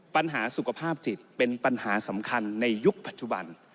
ปัญหาสุขภาพจิตเป็นปัญหาสำคัญในยุคปัจจุบัน